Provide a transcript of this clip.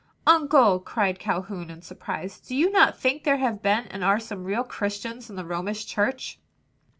"Uncle!" cried Calhoun in surprise, "do you not think there have been and are some real Christians in the Romish Church?"